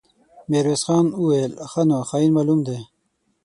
ميرويس خان وويل: ښه نو، خاين معلوم دی.